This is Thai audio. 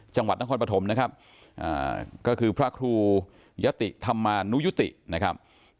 จังหวัดนครปฐมนะครับก็คือพระครูยะติธรรมานุยุตินะครับ